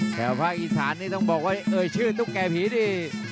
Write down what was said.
ภาคอีสานนี่ต้องบอกว่าเอ่ยชื่อตุ๊กแก่ผีนี่